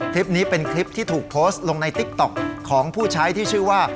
คลิปนี้เป็นคลิปที่ถูกโพสต์ลงในติ๊กต๊อกของผู้ใช้ที่ชื่อว่า